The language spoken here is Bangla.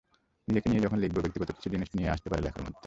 নিজেকে নিয়েই যখন লিখব, ব্যক্তিগত কিছু জিনিস চলে আসতে পারে লেখার মধ্যে।